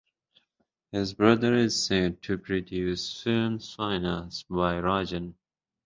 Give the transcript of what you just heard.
His brother is said to produce films financed by Rajan.